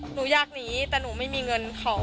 หนูอยากหนีแต่หนูไม่มีเงินเขา